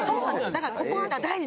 だから」